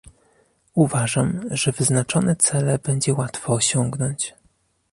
Uważam, że wyznaczone cele będzie łatwo osiągnąć